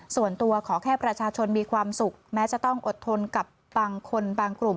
ส่วนตัวขอแค่ประชาชนมีความสุขแม้จะต้องอดทนกับบางคนบางกลุ่ม